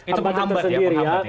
ambatan tersendiri ya